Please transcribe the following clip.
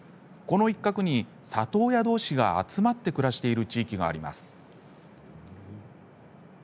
この一角に里親どうしが集まって暮らしている地域があります。